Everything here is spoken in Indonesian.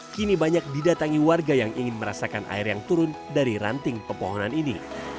kini banyak didatangi warga yang ingin merasakan air yang turun dari ranting pepohonan ini